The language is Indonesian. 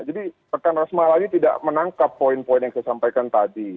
jadi rekan rasmalah ini tidak menangkap poin poin yang saya sampaikan tadi